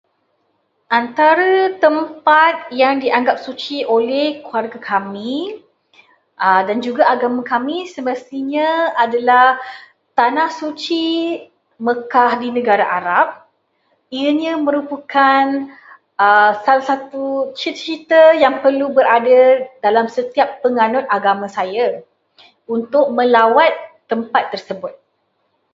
Antara tampat yang dianggap suci oleh keluarga kami dan juga agama kami semestinya adalah tanah suci Mekah di negara arab. Ianya merupakan salah satu cita-cita yang perlu berada dalam setiap penganut agama saya untuk melawat tempat tersebut.